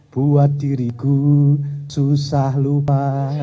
buat diriku susah lupa